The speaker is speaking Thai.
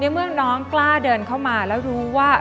เมื่อน้องกล้าเดินเข้ามาแล้วรู้ว่า